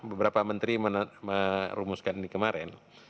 beberapa menteri merumuskan ini kemarin